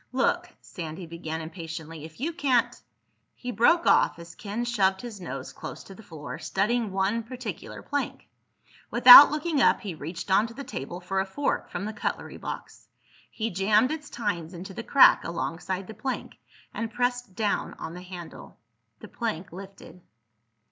"Look," Sandy began impatiently, "if you can't—" He broke off as Ken shoved his nose close to the floor, studying one particular plank. Without looking up he reached onto the table for a fork from the cutlery box. He jammed its tines into the crack alongside the plank and pressed down on the handle. The plank lifted.